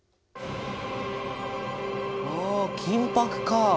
あ金ぱくか！